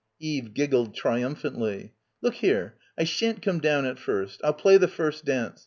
Eve giggled triumphantly. "Look here. I shan't come down at first. Pll play the first dance.